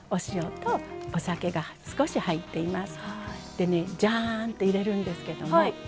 でねジャンって入れるんですけども。